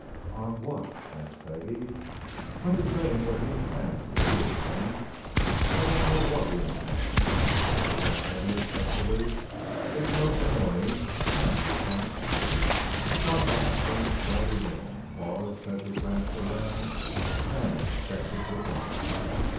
"On what?" asked Peggie. "On his saying what he intends if he intends I don't know what he intends!" answered Mr. Halfpenny, testily. "It's most annoying, and we can't " Barthorpe came striding in, paused as he glanced around, and affected surprise.